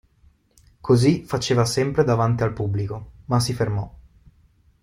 Così faceva sempre davanti al pubblico – ma si fermò.